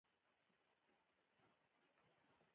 دا کتیبې د طلاتپې تر زرینې خزانې ډېرې مهمې دي.